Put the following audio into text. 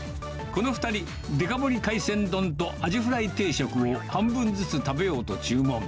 この２人、デカ盛り海鮮丼とアジフライ定食を半分ずつ食べようと注文。